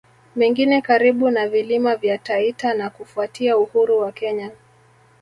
Mengine karibu na Vilima vya Taita na Kufuatia uhuru wa Kenya